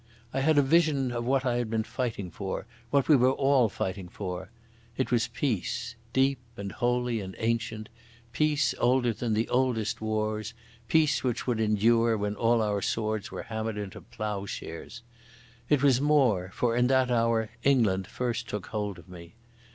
I had a vision of what I had been fighting for, what we all were fighting for. It was peace, deep and holy and ancient, peace older than the oldest wars, peace which would endure when all our swords were hammered into ploughshares. It was more; for in that hour England first took hold of me.